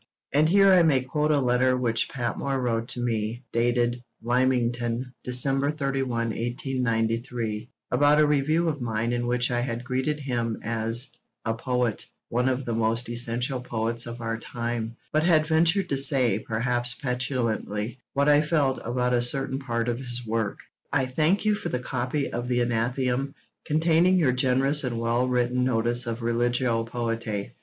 And here I may quote a letter which Patmore wrote to me, dated Lymington, December 31, 1893, about a review of mine in which I had greeted him as 'a poet, one of the most essential poets of our time,' but had ventured to say, perhaps petulantly, what I felt about a certain part of his work. I thank you for the copy of the Athenæum, containing your generous and well written notice of 'Religio Poetae.'